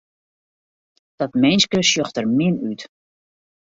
Dat minske sjocht der min út.